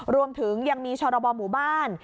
รวมถึงยังมีชรบหมู่บ้าน